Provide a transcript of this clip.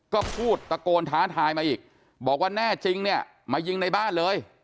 ก็พูดตะโกนท้าทายมาอีกบอกว่าแน่จริงเนี่ยมายิงในบ้านเลย